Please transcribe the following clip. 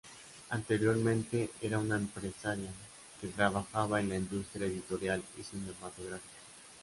Anteriormente era una empresaria, que trabajaba en la industria editorial y cinematográfica.